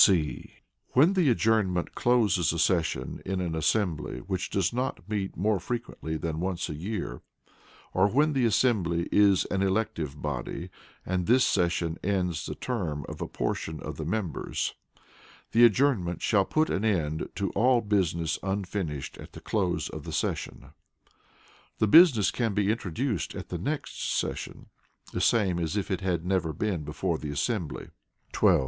(c) When the adjournment closes a session in an assembly which does not meet more frequently than once a year, or when the assembly is an elective body, and this session ends the term of a portion of the members, the adjournment shall put an end to all business unfinished at the close of the session. The business can be introduced at the next session, the same as if it had never been before the assembly. 12.